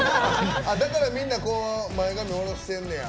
だから前髪を下ろしてんねや。